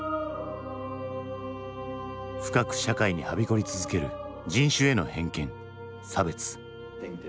深く社会にはびこり続ける人種への偏見差別。